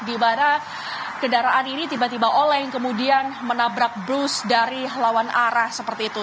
di mana kendaraan ini tiba tiba oleng kemudian menabrak bus dari lawan arah seperti itu